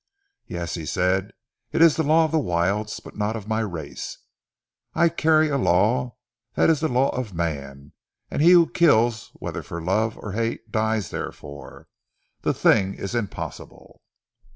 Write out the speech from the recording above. "Yes," he said, "it is the law of the wilds, but not of my race. I carry a law that is the law of man, and he who kills whether for love or hate dies therefor. The thing is impossible!"